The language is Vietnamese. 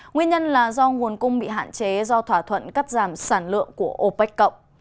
nguyên nhân là do nguồn cung bị hạn chế do thỏa thuận cắt giảm sản lượng của opec cộng